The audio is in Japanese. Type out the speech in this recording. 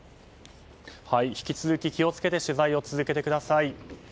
引き続き気を付けて取材を続けてください。